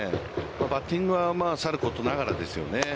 バッティングはさることながらですよね。